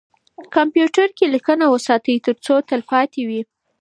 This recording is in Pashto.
کمپیوتر کې لیکنه وساتئ ترڅو تلپاتې وي.